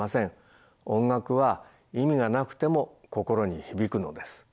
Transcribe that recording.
音楽は意味がなくても心に響くのです。